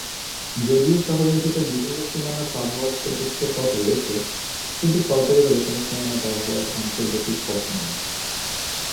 যদিও শহরের ভেতর বিভিন্ন সীমানা পার হওয়ার ছোট ছোট পথ রয়েছে, কিন্তু সরকারিভাবে কোন সীমানা পার হওয়ার আন্তর্জাতিক পথ নেই।